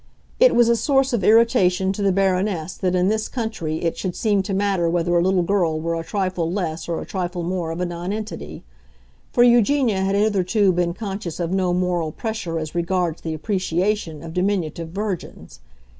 It was a source of irritation to the Baroness that in this country it should seem to matter whether a little girl were a trifle less or a trifle more of a nonentity; for Eugenia had hitherto been conscious of no moral pressure as regards the appreciation of diminutive virgins.